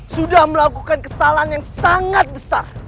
sudah melakukan kesalahan yang sangat besar